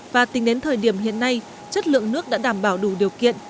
và tính đến thời điểm hiện nay chất lượng nước đã đảm bảo đủ điều kiện